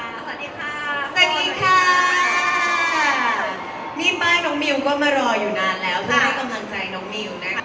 สวัสดีค่านี่บ้านน้องมิวก็มารออยู่นานแล้วเพราะไม่กำลังใจน้องมิวนะครับ